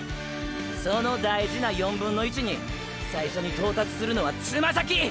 その大事な1/4に最初に到達するのはつま先！！